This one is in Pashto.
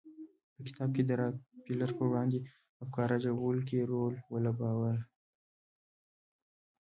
په کتاب کې د راکفیلر پر وړاندې افکار راجلبولو کې رول ولوباوه.